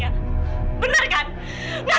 kamu dumba kekerosan pun mbak